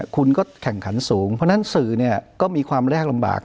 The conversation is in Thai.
คุณก็แข่งขันสูงเพราะฉะนั้นสื่อก็มีความแรกลำบาก